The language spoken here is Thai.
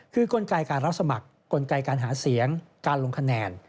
คือกลไกการรับสมัครกลไกการหาเสียงการลงคะแนน